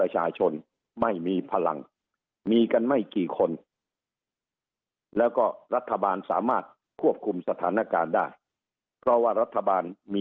จะแม่นว่า